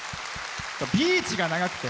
ビーチが長くて。